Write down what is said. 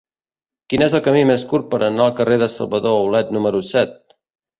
Quin és el camí més curt per anar al carrer de Salvador Aulet número set?